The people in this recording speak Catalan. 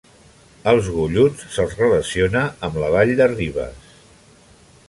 Als golluts se'ls relaciona amb la Vall de Ribes.